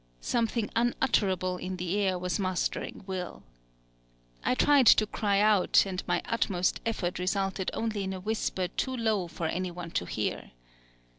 Something unutterable in the air was mastering will. I tried to cry out, and my utmost effort resulted only in a whisper too low for any one to hear.